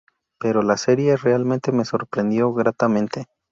Pero la serie realmente me sorprendió gratamente.